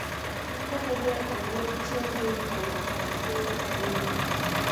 Iko bende oduok chien jobuoro kod jotheno.